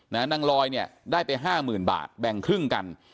นางลอยเนี่ยได้ไป๕๐๐๐บาทแบ่งครึ่งกัน